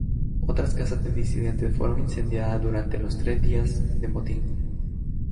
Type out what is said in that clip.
Otras casas de disidentes fueron incendiadas durante los tres días de motín.